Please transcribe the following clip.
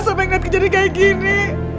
sampai ngeliat kejadian kayak gini